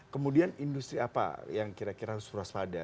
kemudian industri apa yang kira kira harus waspada